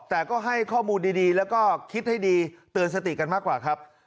แต่ก็ให้ข้อมูลดีแล้วก็คิดให้ดีเตือนสติกันมากกว่าครับ